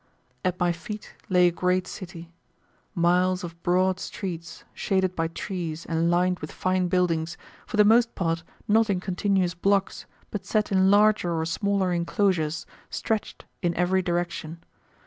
At my feet lay a great city. Miles of broad streets, shaded by trees and lined with fine buildings, for the most part not in continuous blocks but set in larger or smaller inclosures, stretched in every direction.